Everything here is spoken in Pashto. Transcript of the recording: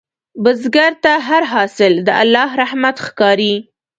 بزګر ته هر حاصل د الله رحمت ښکاري